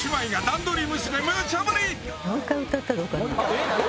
えっ⁉